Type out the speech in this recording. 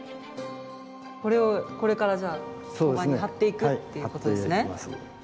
これをこれからじゃあ陶板に貼っていくっていうことですね。